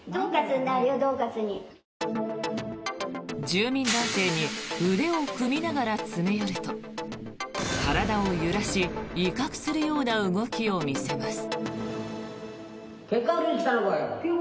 住民男性に腕を組みながら詰め寄ると体を揺らし威嚇するような動きを見せます。